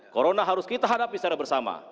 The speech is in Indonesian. corona harus kita hadapi secara bersama